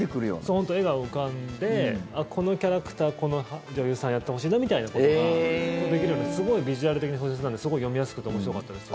本当に画が浮かんでこのキャラクター、この女優さんやってほしいなみたいことができるんですごいビジュアル的な小説なんですごい読みやすくて面白かったです。